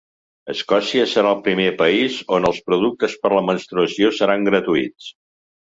Escòcia serà el primer país on els productes per a la menstruació seran gratuïts.